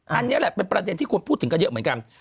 อันนี้แหละเป็นประเด็นที่ควรพูดถึงกันเยอะเหมือนกัน